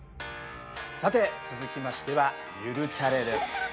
さて続きましては「ゆるチャレ」です。